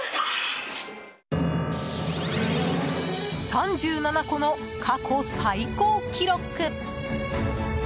３７個の過去最高記録。